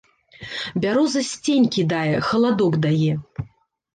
Бяроза сцень кідае, халадок дае.